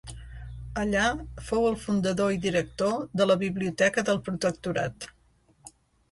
Allà, fou el fundador i director de la Biblioteca del Protectorat.